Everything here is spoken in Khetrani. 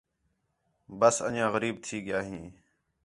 بس انڄیاں غریب تھی ڳِیا ہیں